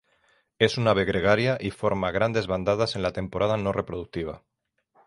Es un ave gregaria y forma grandes bandadas en la temporada no reproductiva.